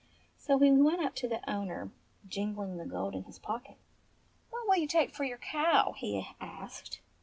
So he went up to the owner, jingling the gold in his pocket. "What will you take for your cow .?" he asked.